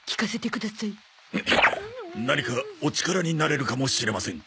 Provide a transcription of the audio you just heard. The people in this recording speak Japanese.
何かお力になれるかもしれません。